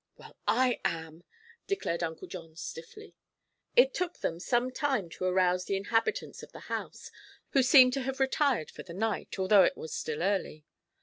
"Well, I am," declared Uncle John, stiffly. It took then some time to arouse the inhabitants of the house, who seemed to have retired for the night, although it was still early.